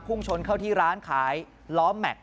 ่งชนเข้าที่ร้านขายล้อแม็กซ